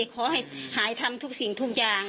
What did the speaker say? ขอให้หายทำทุกสิ่งทุกอย่าง